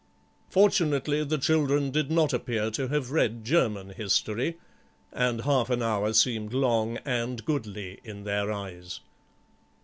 Fortunately the children did not appear to have read German history, and half an hour seemed long and goodly in their eyes.